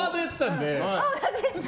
同じ！